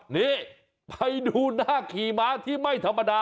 นี่ไปดูหน้าขี่ม้าที่ไม่ธรรมดา